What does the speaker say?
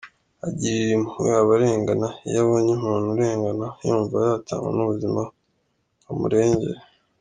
Agirira impuhwe abarengana, iyo abonye umuntu urengana yumva yatanga n’ubuzima ngo amurengere.